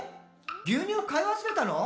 牛乳買い忘れたの？」